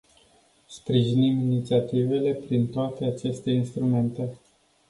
Sprijinim inițiativele prin toate aceste instrumente.